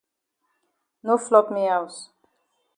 No flop me haus.